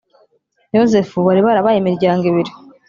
Yozefu bari barabaye imiryango ibiri